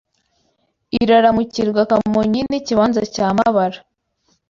Iraramukirwa Kamonyi N’ikibanza cya Mabara